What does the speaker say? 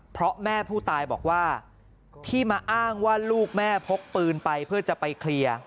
เพราะแม่ผู้ตายบอกว่าที่มาอ้างว่าลูกแม่พกปืนไปเพื่อจะไปเคลียร์